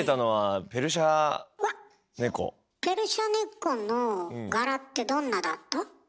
ペルシャネコの柄ってどんなだった？